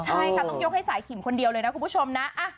ใช่ค่ะต้องยกให้สายขิมคนเดียวเลยนะคุณผู้ชมนะ